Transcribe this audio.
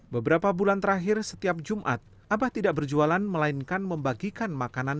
beberapa bulan terakhir setiap jumat abah tidak berjualan melainkan membagikan makanan